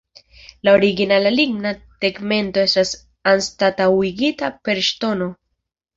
La originala ligna tegmento estas anstataŭigita per ŝtono.